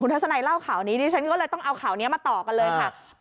ทัศนัยเล่าข่าวนี้ดิฉันก็เลยต้องเอาข่าวนี้มาต่อกันเลยค่ะ